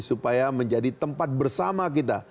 supaya menjadi tempat bersama kita